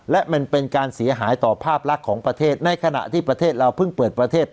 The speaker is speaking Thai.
และมันเป็นการเสียหายต่อภาพลักษณ์ของประเทศในขณะที่ประเทศเราเพิ่งเปิดประเทศ